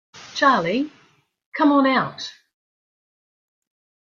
Charley, come on out!